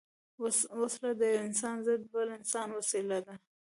وسله د یو انسان ضد بل انسان وسيله ده